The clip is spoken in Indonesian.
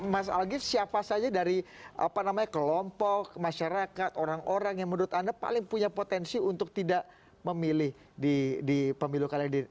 mas algif siapa saja dari kelompok masyarakat orang orang yang menurut anda paling punya potensi untuk tidak memilih di pemilu kali ini